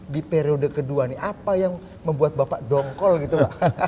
di periode kedua nih apa yang membuat bapak dongkol gitu pak